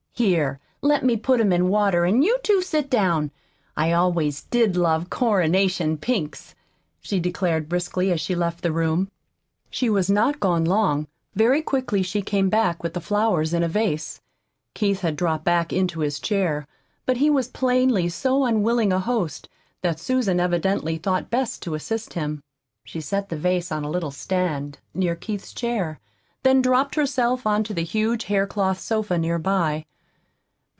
"Here, let me put 'em in water, an' you two sit down. I always did love coronation pinks," she declared briskly, as she left the room. She was not gone long. Very quickly she came back, with the flowers in a vase. Keith had dropped back into his chair; but he was plainly so unwilling a host that Susan evidently thought best to assist him. She set the vase on a little stand near Keith's chair, then dropped herself on to the huge haircloth sofa near by.